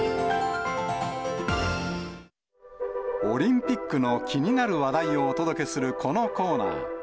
オリンピックの気になる話題をお届けするこのコーナー。